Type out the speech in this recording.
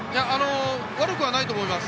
悪くはないと思います。